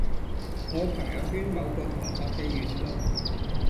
我朋友圈某個同學嘅言論